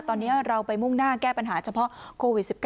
ตอนนี้เราไปมุ่งหน้าแก้ปัญหาเฉพาะโควิด๑๙